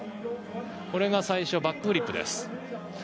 これが最初のバックフリップです。